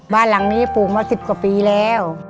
บ้านหลังนี้ปลูกมา๑๐กว่าปีแล้ว